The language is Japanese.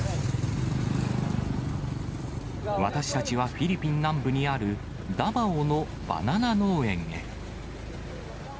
私たちは、フィリピン南部にあるダバオのバナナ農園へ。